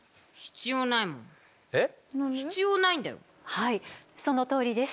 はいそのとおりです。